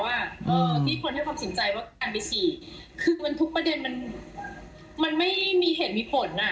ที่คนให้ความสนใจว่าอันไปฉีดคือมันทุกประเด็นมันไม่มีเหตุมีผลอ่ะ